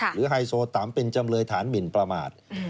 ไฮโซตัมเป็นจำเลยฐานหมินประมาท